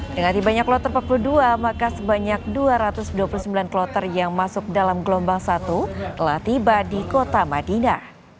dengan tibanya kloter empat puluh dua maka sebanyak dua ratus dua puluh sembilan kloter yang masuk dalam gelombang satu telah tiba di kota madinah